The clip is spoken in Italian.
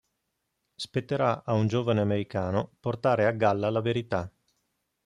Spetterà a un giovane americano portare a galla la verità.